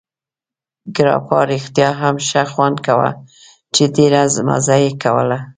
ګراپا رښتیا هم ښه خوند کاوه، چې ډېره مزه یې کوله.